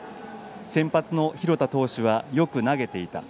先発の廣田投手はよく投げていた。